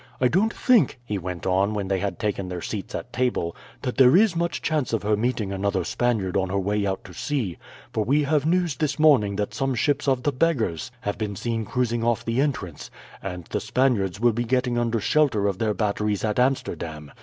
I don't think," he went on, when they had taken their seats at table, "that there is much chance of her meeting another Spaniard on her way out to sea, for we have news this morning that some ships of the beggars have been seen cruising off the entrance, and the Spaniards will be getting under shelter of their batteries at Amsterdam.